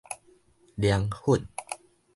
涼粉